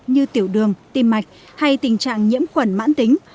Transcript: như tiểu đường tim mạch hay tình trạng nhiễm khuẩn mãn tính